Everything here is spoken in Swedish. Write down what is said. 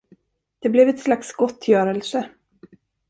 Det blev ett slags gottgörelse.